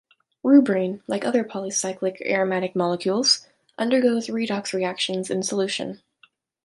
Rubrene, like other polycyclic aromatic molecules, undergoes redox reactions in solution.